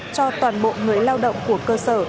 cho toàn bộ người lao động của cơ sở